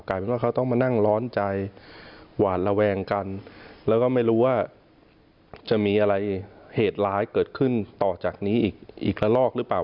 ว่าเขาต้องมานั่งร้อนใจหวานระแวงกันแล้วก็ไม่รู้ว่าจะมีอะไรเหตุร้ายเกิดขึ้นต่อจากนี้อีกละลอกหรือเปล่า